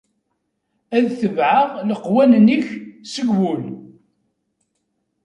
Ad tebɛeɣ leqwanen-ik seg wul.